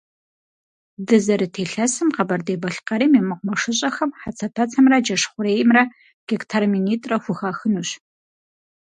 Дызэрыт илъэсым Къэбэрдей-Балъкъэрым и мэкъумэшыщӀэхэм хьэцэпэцэмрэ джэш хъуреймрэ гектар минитӀрэ хухахынущ.